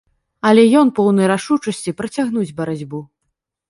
Але ён поўны рашучасці працягнуць барацьбу.